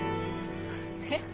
え？